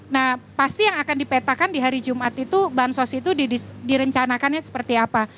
nah pasti yang akan dipetakan di hari jumat itu bansos itu direncanakannya seperti apa